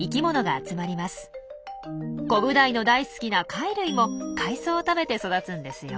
コブダイの大好きな貝類も海藻を食べて育つんですよ。